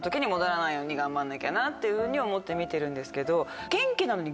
なっていうふうに思って見てるんですけど。